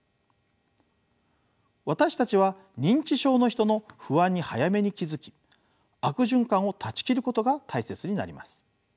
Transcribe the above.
私たちは認知症の人の不安に早めに気付き悪循環を断ち切ることが大切になります。